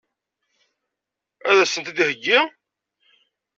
Ad as-ten-id-iheggi?